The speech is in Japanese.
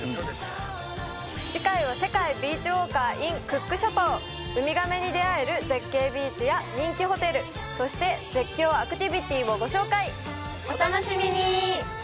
次回は世界ビーチウォーカーｉｎクック諸島ウミガメに出会える絶景ビーチや人気ホテルそして絶叫アクティビティをご紹介お楽しみに！